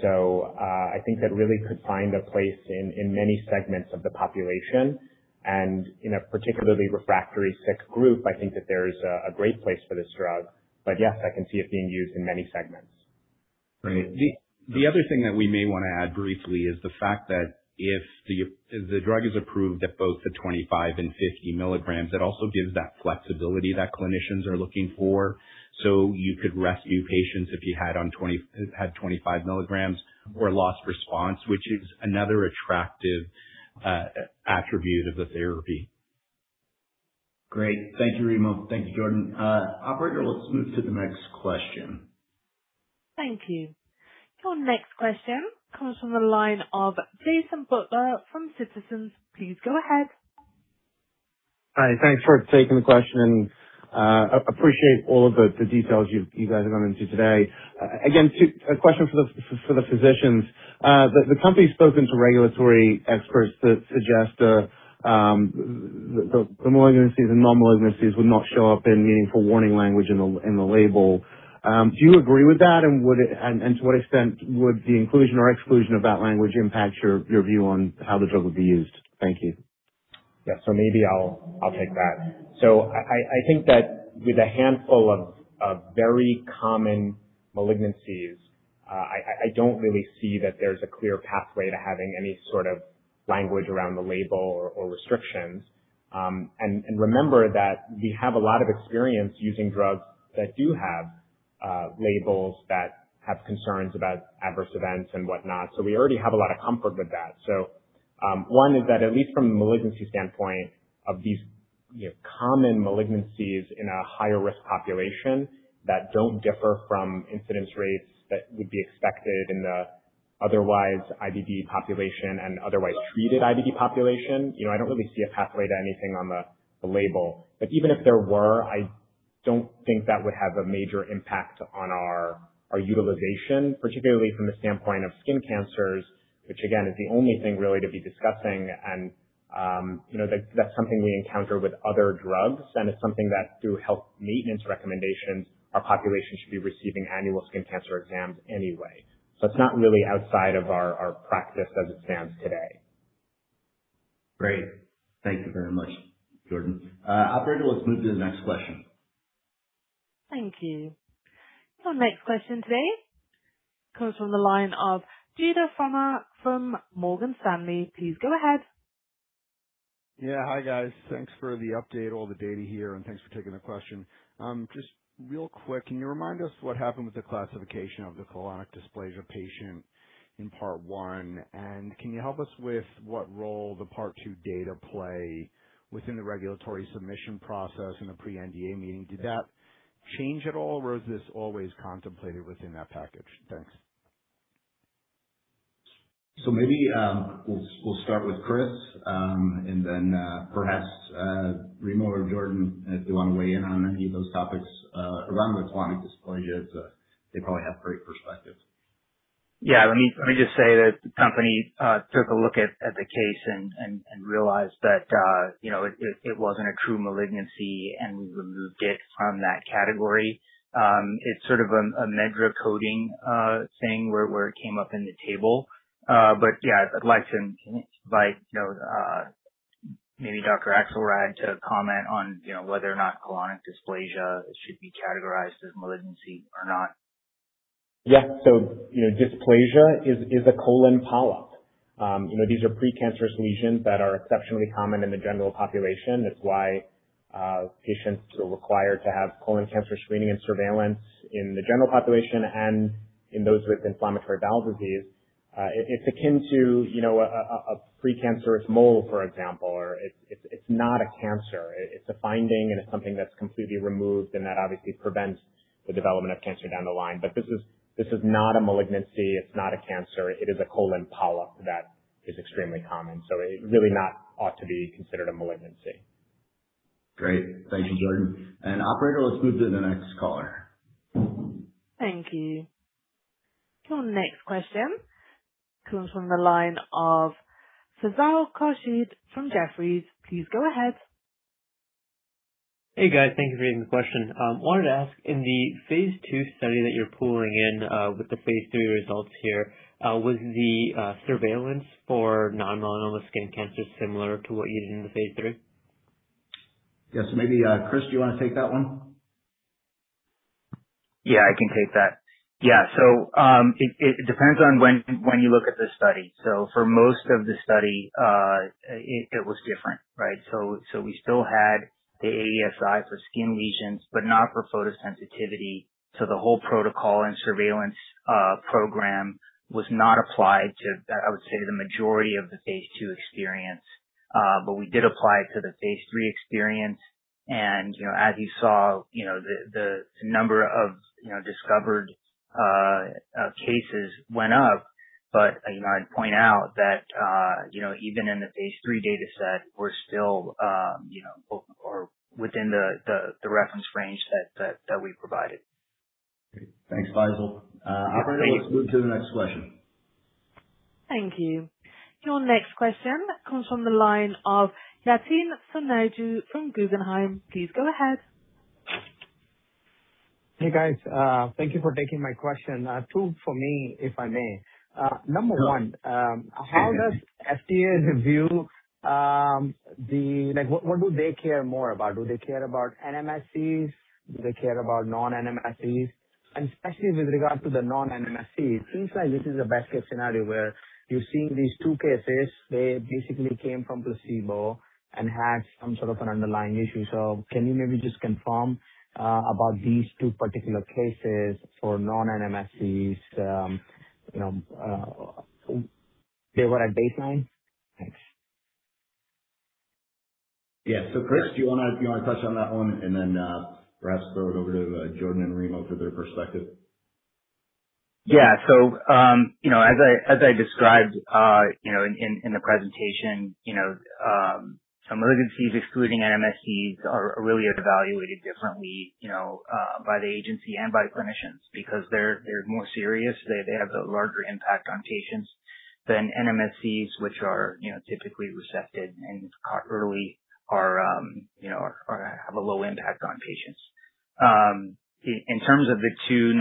I think that really could find a place in many segments of the population and in a particularly refractory sick group, I think that there's a great place for this drug. Yes, I can see it being used in many segments. The other thing that we may want to add briefly is the fact that if the drug is approved at both the 25 mg and 50 mg, it also gives that flexibility that clinicians are looking for. You could rescue patients if you had 25 mg or lost response, which is another attractive attribute of the therapy. Great. Thank you, Remo. Thank you, Jordan. Operator, let's move to the next question. Thank you. Your next question comes from the line of Jason Butler from Citizens. Please go ahead. Hi. Thanks for taking the question, and appreciate all of the details you guys have gone into today. Again, a question for the physicians. The company's spoken to regulatory experts that suggest the malignancies and non-malignancies would not show up in meaningful warning language in the label. Do you agree with that, and to what extent would the inclusion or exclusion of that language impact your view on how the drug would be used? Thank you. Yeah. Maybe I'll take that. I think that with a handful of very common malignancies, I don't really see that there's a clear pathway to having any sort of language around the label or restrictions. Remember that we have a lot of experience using drugs that do have labels that have concerns about adverse events and whatnot. We already have a lot of comfort with that. One is that at least from a malignancy standpoint of these common malignancies in a higher risk population that don't differ from incidence rates that would be expected in the Otherwise IBD population and otherwise treated IBD population. I don't really see a pathway to anything on the label. Even if there were, I don't think that would have a major impact on our utilization, particularly from the standpoint of skin cancers, which again, is the only thing really to be discussing. That's something we encounter with other drugs, and it's something that through health maintenance recommendations, our population should be receiving annual skin cancer exams anyway. It's not really outside of our practice as it stands today. Great. Thank you very much, Jordan. Operator, let's move to the next question. Thank you. Our next question today comes from the line of Judah Frommer from Morgan Stanley. Please go ahead. Yeah. Hi, guys. Thanks for the update, all the data here, and thanks for taking the question. Just real quick, can you remind us what happened with the classification of the colonic dysplasia patient in Part 1? Can you help us with what role the Part 2 data play within the regulatory submission process and the pre-NDA meeting? Did that change at all, or was this always contemplated within that package? Thanks. Maybe, we'll start with Chris, and then perhaps, Remo or Jordan, if they want to weigh in on any of those topics around the colonic dysplasias. They probably have great perspectives. Yeah. Let me just say that the company took a look at the case and realized that it wasn't a true malignancy. We removed it from that category. It's sort of a MedDRA coding thing where it came up in the table. Yeah, I'd like to invite maybe Dr. Axelrad to comment on whether or not colonic dysplasia should be categorized as malignancy or not. Dysplasia is a colon polyp. These are precancerous lesions that are exceptionally common in the general population. That is why patients are required to have colon cancer screening and surveillance in the general population and in those with inflammatory bowel disease. It is akin to a precancerous mole, for example. It is not a cancer. It is a finding, and it is something that is completely removed and that obviously prevents the development of cancer down the line. This is not a malignancy. It is not a cancer. It is a colon polyp that is extremely common. It really not ought to be considered a malignancy. Great. Thank you, Jordan. Operator, let us move to the next caller. Thank you. Our next question comes from the line of Faisal Khurshid from Jefferies. Please go ahead. Hey, guys. Thank you for taking the question. Wanted to ask, in the phase II study that you are pooling in with the phase III results here, was the surveillance for non-melanoma skin cancer similar to what you did in the phase III? Yes, maybe, Chris, do you want to take that one? Yeah, I can take that. Yeah. It depends on when you look at the study. For most of the study, it was different, right? We still had the AESI for skin lesions, but not for photosensitivity. The whole protocol and surveillance program was not applied to, I would say, to the majority of the phase II experience. We did apply it to the phase III experience. As you saw, the number of discovered cases went up. I'd point out that even in the phase III dataset, we're still within the reference range that we provided. Great. Thanks, Faisal. Great. Operator, let's move to the next question. Thank you. Your next question comes from the line of Yatin Suneja from Guggenheim. Please go ahead. Hey, guys. Thank you for taking my question. Two for me, if I may. Number one, how does FDA view what do they care more about? Do they care about NMSCs? Do they care about non-NMSCs? Especially with regard to the non-NMSCs, it seems like this is a best case scenario where you're seeing these two cases. They basically came from placebo and had some sort of an underlying issue. Can you maybe just confirm about these two particular cases for non-NMSCs? They were at baseline? Thanks. Yeah. Chris, do you want to touch on that one and then perhaps throw it over to Jordan and Remo for their perspective? As I described in the presentation, malignancies excluding NMSCs are really evaluated differently by the agency and by clinicians because they're more serious. They have a larger impact on patients than NMSCs, which are typically resected and caught early or have a low impact on patients. In terms of the two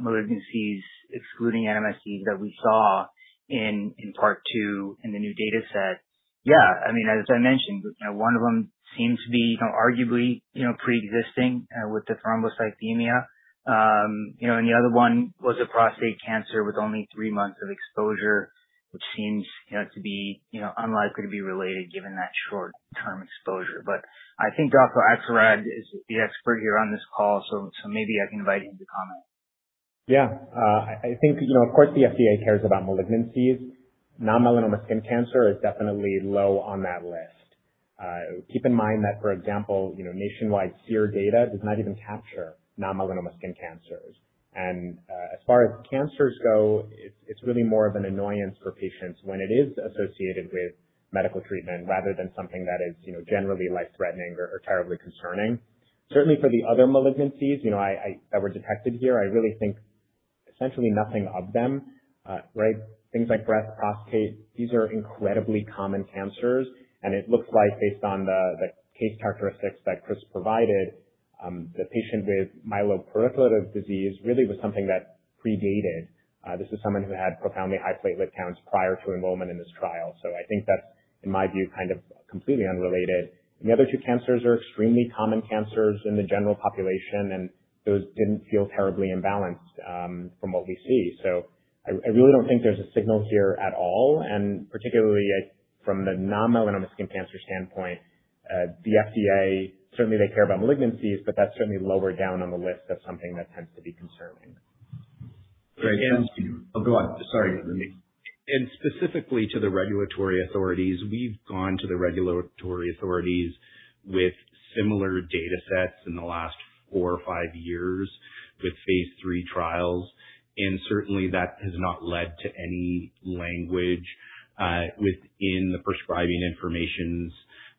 malignancies excluding NMSCs that we saw in Part 2 in the new dataset. As I mentioned, one of them seems to be arguably preexisting with the thrombocythemia. The other one was a prostate cancer with only three months of exposure, which seems to be unlikely to be related given that short-term exposure. I think Dr. Axelrad is the expert here on this call, so maybe I can invite him to comment. I think, of course, the FDA cares about malignancies. Non-melanoma skin cancer is definitely low on that list. Keep in mind that, for example, nationwide SEER data does not even capture non-melanoma skin cancers. As far as cancers go, it's really more of an annoyance for patients when it is associated with medical treatment rather than something that is generally life-threatening or terribly concerning. Certainly, for the other malignancies that were detected here, I really think essentially nothing of them, right? Things like breast, prostate, these are incredibly common cancers. It looks like based on the case characteristics that Chris provided, the patient with myeloproliferative disease really was something that predated. This is someone who had profoundly high platelet counts prior to enrollment in this trial. I think that's, in my view, kind of completely unrelated. The other two cancers are extremely common cancers in the general population, those didn't feel terribly imbalanced from what we see. I really don't think there's a signal here at all, particularly from the non-melanoma skin cancer standpoint, the FDA, certainly they care about malignancies, that's certainly lower down on the list of something that tends to be concerning. Great. Thanks. Oh, go on. Sorry. Specifically to the regulatory authorities, we've gone to the regulatory authorities with similar data sets in the last four or five years with phase III trials. Certainly that has not led to any language within the prescribing information.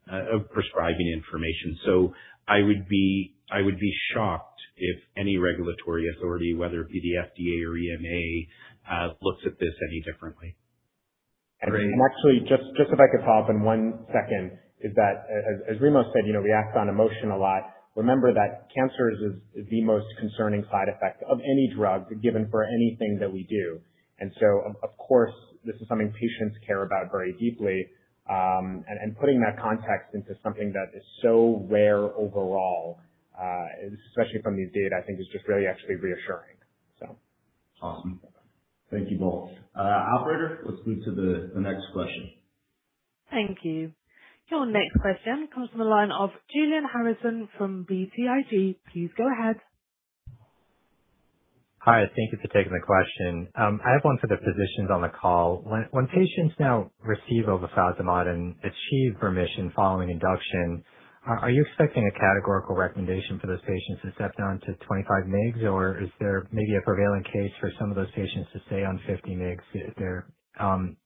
I would be shocked if any regulatory authority, whether it be the FDA or EMA looks at this any differently. Great. Actually, just if I could hop in one second, is that, as Remo said, we act on emotion a lot. Remember that cancer is the most concerning side effect of any drug given for anything that we do. Of course, this is something patients care about very deeply. Putting that context into something that is so rare overall, especially from these data, I think is just really actually reassuring. Awesome. Thank you both. Operator, let's move to the next question. Thank you. Your next question comes from the line of Julian Harrison from BTIG. Please go ahead. Hi, thank you for taking the question. I have one for the physicians on the call. When patients now receive obefazimod and achieve remission following induction, are you expecting a categorical recommendation for those patients to step down to 25 mg, or is there maybe a prevailing case for some of those patients to stay on 50 mg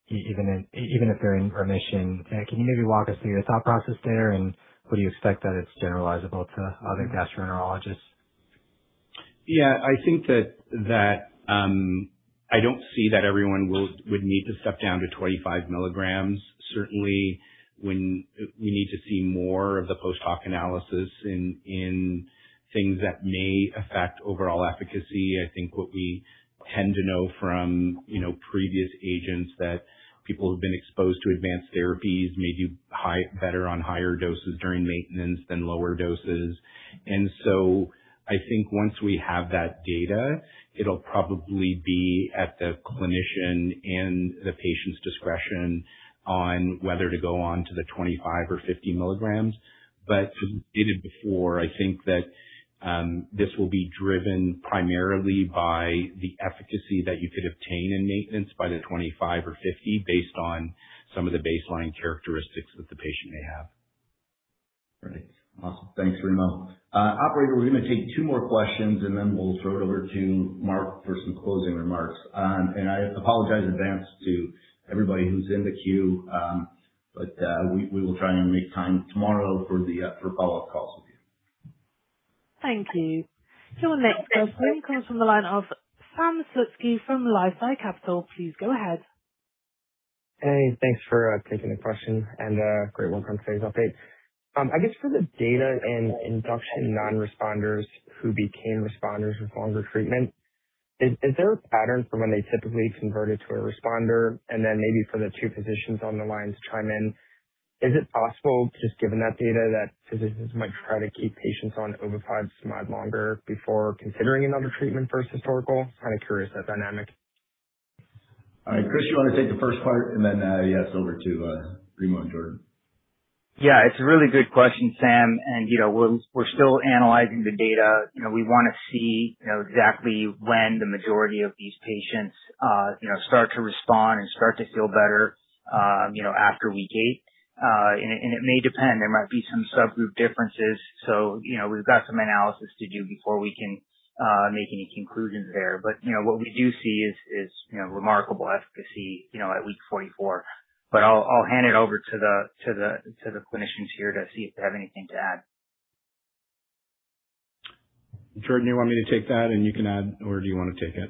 if they're in remission? Can you maybe walk us through your thought process there, and would you expect that it's generalizable to other gastroenterologists? Yeah, I think that I don't see that everyone would need to step down to 25 mg. Certainly, we need to see more of the post hoc analysis in things that may affect overall efficacy. I think what we tend to know from previous agents that people who've been exposed to advanced therapies may do better on higher doses during maintenance than lower doses. I think once we have that data, it'll probably be at the clinician and the patient's discretion on whether to go on to the 25 mg or 50 mg. As we did it before, I think that this will be driven primarily by the efficacy that you could obtain in maintenance by the 25 mg or 50 mg based on some of the baseline characteristics that the patient may have. Great. Awesome. Thanks, Remo. Operator, we're going to take two more questions, then we'll throw it over to Marc for some closing remarks. I apologize in advance to everybody who's in the queue. We will try and make time tomorrow for follow-up calls with you. Thank you. Your next question comes from the line of Sam Slutsky from LifeSci Capital. Please go ahead. Thanks for taking the question, great one from today's update. I guess for the data in induction non-responders who became responders with longer treatment, is there a pattern for when they typically converted to a responder? Maybe for the two physicians on the line to chime in, is it possible, just given that data, that physicians might try to keep patients on obefazimod longer before considering another treatment for historical? Kind of curious that dynamic. All right, Chris, you want to take the first part. I guess over to Remo and Jordan. It's a really good question, Sam, we're still analyzing the data. We want to see exactly when the majority of these patients start to respond and start to feel better after week eight. It may depend, there might be some subgroup differences. We've got some analysis to do before we can make any conclusions there. What we do see is remarkable efficacy at week 44. I'll hand it over to the clinicians here to see if they have anything to add. Jordan, you want me to take that, and you can add, or do you want to take it?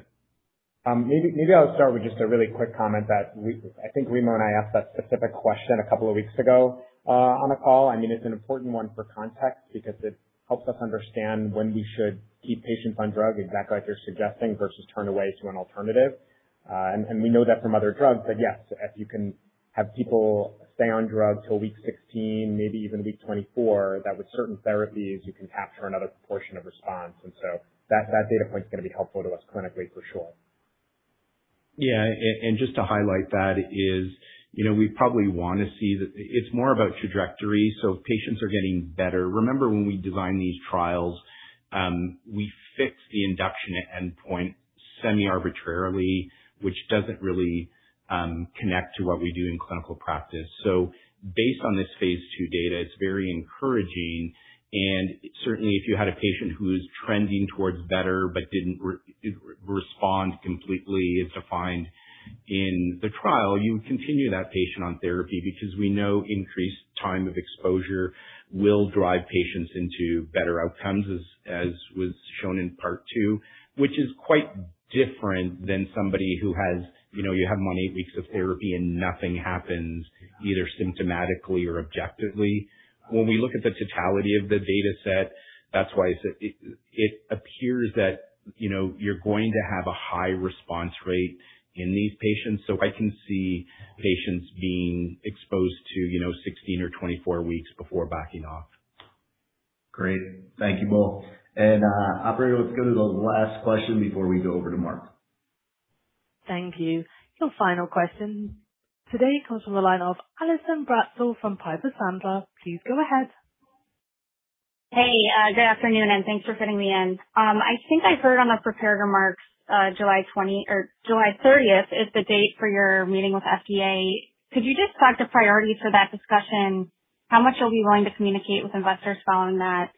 Maybe I'll start with just a really quick comment that I think Remo and I asked that specific question a couple of weeks ago on a call. I mean, it's an important one for context because it helps us understand when we should keep patients on drug, exactly as you're suggesting, versus turn away to an alternative. We know that from other drugs that, yes, if you can have people stay on drug till week 16, maybe even week 24, that with certain therapies, you can capture another portion of response. That data point is going to be helpful to us clinically for sure. Yeah, just to highlight that is, we probably want to see that it's more about trajectory, so if patients are getting better. Remember when we designed these trials, we fixed the induction at endpoint semi-arbitrarily, which doesn't really connect to what we do in clinical practice. Based on this phase II data, it's very encouraging, and certainly if you had a patient who is trending towards better but didn't respond completely as defined in the trial, you would continue that patient on therapy because we know increased time of exposure will drive patients into better outcomes, as was shown in Part 2, which is quite different than somebody who has you have them on eight weeks of therapy and nothing happens, either symptomatically or objectively. When we look at the totality of the data set, that's why it appears that you're going to have a high response rate in these patients. I can see patients being exposed to 16 weeks or 24 weeks before backing off. Great. Thank you both. Operator, let's go to the last question before we go over to Marc. Thank you. Your final question today comes from the line of Allison Bratzel from Piper Sandler. Please go ahead. Hey, good afternoon. Thanks for fitting me in. I think I heard on the prepared remarks July 30th is the date for your meeting with FDA. Could you just talk to priority for that discussion? How much you'll be willing to communicate with investors following that?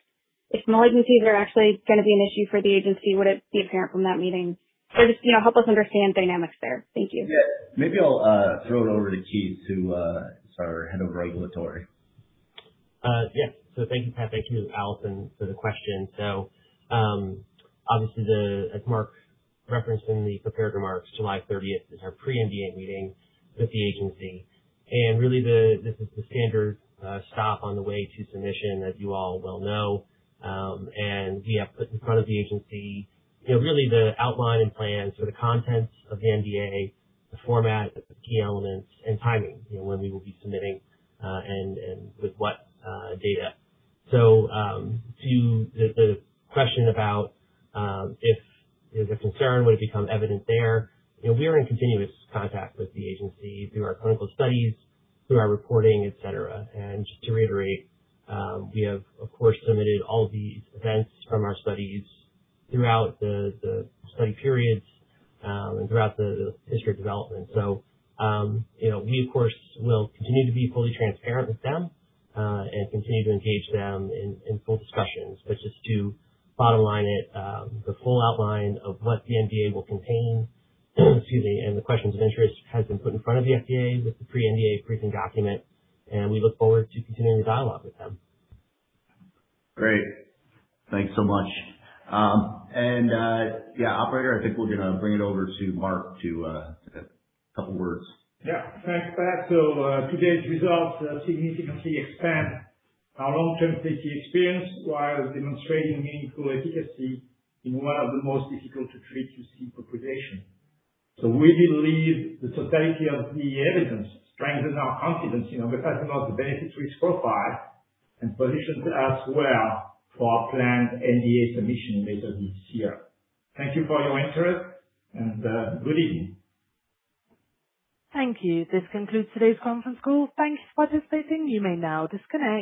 If malignancies are actually going to be an issue for the agency, would it be apparent from that meeting? Just help us understand dynamics there. Thank you. Yeah. Maybe I'll throw it over to Keith, who's our Head of Regulatory. Yeah. Thank you, Pat. Thank you, Allison, for the question. Obviously as Marc referenced in the prepared remarks, July 30th is our pre-NDA meeting with the agency. Really this is the standard stop on the way to submission, as you all well know. We have put in front of the agency really the outline and plan. The contents of the NDA, the format, the key elements, and timing, when we will be submitting, and with what data. To the question about if the concern would become evident there, we are in continuous contact with the agency through our clinical studies, through our reporting, et cetera. Just to reiterate, we have, of course, submitted all the events from our studies throughout the study periods, and throughout the history of development. We, of course, will continue to be fully transparent with them, and continue to engage them in full discussions. Just to bottom line it, the full outline of what the NDA will contain, excuse me, and the questions of interest has been put in front of the FDA with the pre-NDA briefing document. And we look forward to continuing the dialogue with them. Great. Thanks so much. Yeah, Operator, I think we're going to bring it over to Marc to say a couple words. Yeah. Thanks, Pat. Today's results significantly expand our long-term safety experience while demonstrating meaningful efficacy in one of the most difficult to treat UC populations. We believe the totality of the evidence strengthens our confidence in obefazimod's benefit risk profile and positions us well for our planned NDA submission later this year. Thank you for your interest, and good evening. Thank you. This concludes today's conference call. Thanks for participating. You may now disconnect.